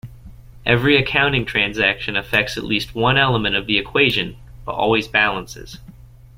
Every accounting transaction affects at least one element of the equation, but always balances.